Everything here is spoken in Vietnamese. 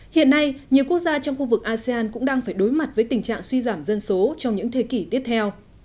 hiện nay nhiều quốc gia trong khu vực asean cũng đang phải đối mặt với tình trạng suy giảm dân số trong những thế kỷ tiếp theo